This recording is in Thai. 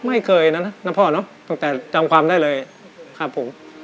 ไม่เคยนะนะพ่อเนอะตั้งแต่จำความได้เลยครับผม